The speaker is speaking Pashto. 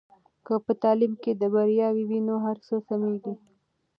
که په تعلیم کې بریا وي نو هر څه سمېږي.